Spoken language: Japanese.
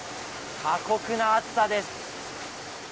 過酷な暑さです。